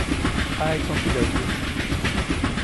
I considered this.